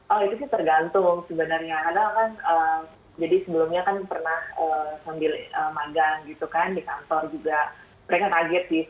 oh itu sih tergantung sebenarnya